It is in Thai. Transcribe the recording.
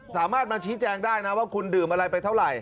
สามารถมาชี้แจงได้นะว่าคุณดื่มอะไรไปเท่าไหร่